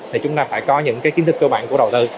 thì chúng ta phải có những cái kiến thức cơ bản của đầu tư